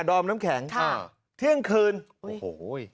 ดอมน้ำแข็งอ่าเที่ยงคืนโอ้โห